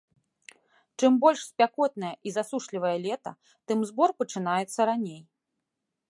Чым больш спякотнае і засушлівае лета, тым збор пачынаецца раней.